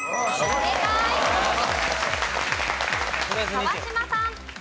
川島さん。